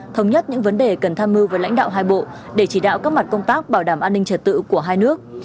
thống nhất những vấn đề cần tham mưu với lãnh đạo hai bộ để chỉ đạo các mặt công tác bảo đảm an ninh trật tự của hai nước